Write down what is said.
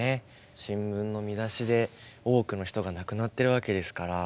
新聞の見出しで多くの人が亡くなってるわけですから。